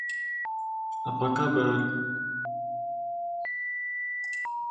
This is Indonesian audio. Bahasa Inggris diajarkan di hampir semua negara.